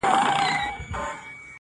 بیا مي د اوښکو وه رڼا ته سجده وکړه!!